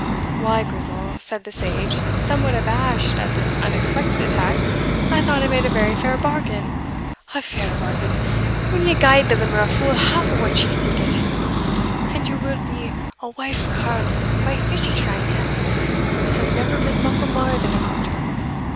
"Why, Grizel," said the sage, somewhat abashed at this unexpected attack, "I thought I made a very fair bargain." "A fair bargain! when ye gied the limmer a full half o' what she seekit! An ye will be a wife carle, and buy fish at your ain hands, ye suld never bid muckle mair than a quarter.